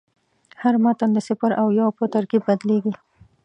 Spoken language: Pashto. هر متن د صفر او یو په ترکیب بدلېږي.